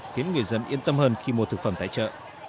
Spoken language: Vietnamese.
khiến người dân yên tâm hơn khi mua thực phẩm tại chợ